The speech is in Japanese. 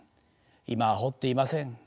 今は掘っていません。